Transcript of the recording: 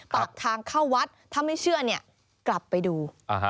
ปากทางเข้าวัดถ้าไม่เชื่อเนี่ยกลับไปดู